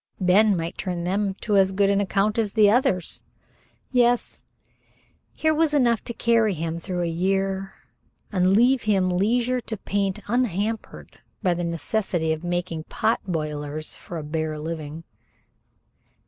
Ben might turn them to as good an account as the others, yes, here was enough to carry him through a year and leave him leisure to paint unhampered by the necessity of making pot boilers for a bare living.